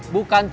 bukan cuma bonus